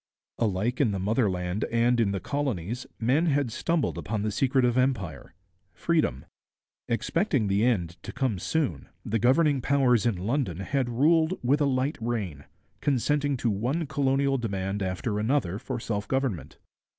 Alike in the motherland and in the colonies men had stumbled upon the secret of empire freedom. Expecting the end to come soon, the governing powers in London had ruled with a light rein, consenting to one colonial demand after another for self government.